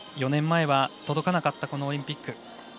４年前は届かなかったこのオリンピック。